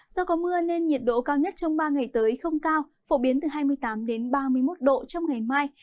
do có mưa nên nhiệt độ cao nhất trong ba ngày tới không cao phổ biến từ hai mươi tám đến ba mươi một độ trong ngày mai